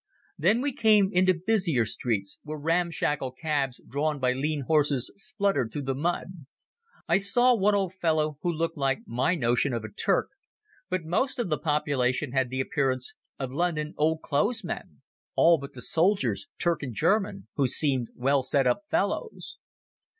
Then we came into busier streets, where ramshackle cabs drawn by lean horses spluttered through the mud. I saw one old fellow who looked like my notion of a Turk, but most of the population had the appearance of London old clothes men. All but the soldiers, Turk and German, who seemed well set up fellows.